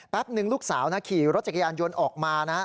หนึ่งลูกสาวนะขี่รถจักรยานยนต์ออกมานะ